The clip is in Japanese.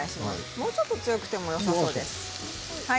もうちょっと火は強くてもよさそうですね。